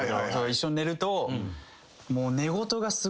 一緒に寝ると。